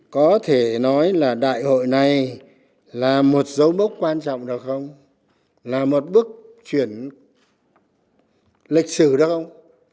có thể nói là đại hội này là một dấu mốc quan trọng được không là một bước chuyển lịch sử được không